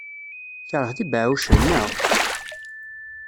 Tkeṛheḍ ibeɛɛucen, naɣ?